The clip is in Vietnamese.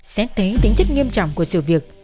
sẽ thấy tính chất nghiêm trọng của sự việc